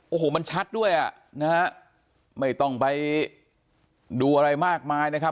โอ้โหมันชัดด้วยอ่ะนะฮะไม่ต้องไปดูอะไรมากมายนะครับ